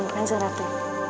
jangan lupa kanzu ratu